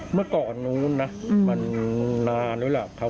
เมื่อก่อนนู้นนะมันนานแล้วแหละ